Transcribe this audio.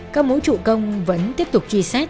các mối trụ công vẫn tiếp tục chi xét